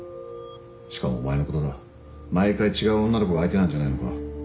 しかもお前のことだ毎回違う女の子が相手なんじゃないのか？